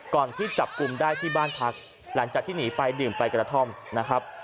ที่จับกลุ่มได้ที่บ้านพักหลังจากที่หนีไปดื่มไปกระท่อมนะครับ